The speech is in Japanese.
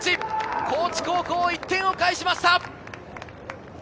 高知高校、１点を返しました。